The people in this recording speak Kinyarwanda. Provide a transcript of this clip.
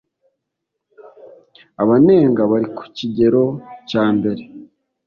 abanenga bari ku kigero cyambere